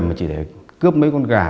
mà chỉ để cướp mấy con gà